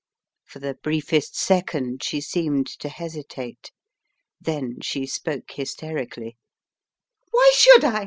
For the briefest second she seemed to hesitate. Then she spoke hysterically: "Why should I?